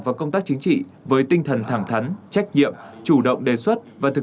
và công tác chính trị với tinh thần thẳng thắn trách nhiệm chủ động đề xuất và thực